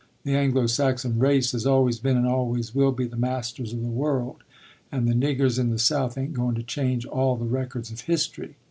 The Anglo Saxon race has always been and always will be the masters of the world, and the niggers in the South ain't going to change all the records of history."